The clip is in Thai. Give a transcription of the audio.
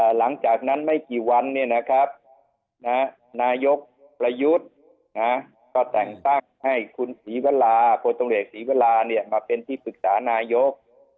หลังจากนั้นไม่กี่วันนะครับนายกประยุทธ์ก็แต่งตั้งให้คุณศรีเวลามาเป็นที่ปรึกษานายก